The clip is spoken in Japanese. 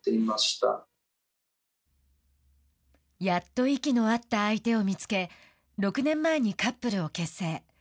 やっと息の合った相手を見つけ６年前にカップルを結成。